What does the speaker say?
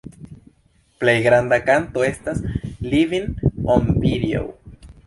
Plej granda kanto estas „Living on Video”.